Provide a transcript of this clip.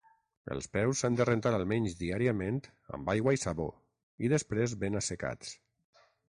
Els peus s'han de rentar almenys diàriament amb aigua i sabó, i després ben assecats.